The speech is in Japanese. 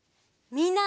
みんな。